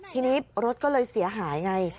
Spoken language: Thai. ทีนี้รถก็เลยเสียหายไง